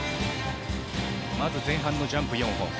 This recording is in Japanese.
まず前半のジャンプ４本。